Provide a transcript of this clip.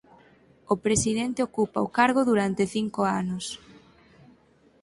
O presidente ocupa o cargo durante cinco anos.